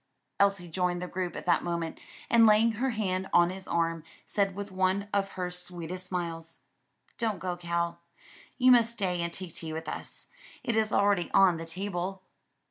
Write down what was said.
Elsie joined the group at that moment and laying her hand on his arm, said with one of her sweetest smiles, "Don't go, Cal, you must stay and take tea with us; it is already on the table."